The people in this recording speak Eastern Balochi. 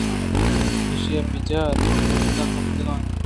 ایشی ءِ بیچار پشت کپتگ اَنت